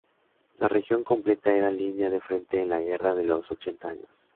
La región completa era línea de frente en la guerra de los Ochenta Años.